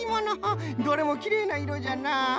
どれもきれいないろじゃなあ。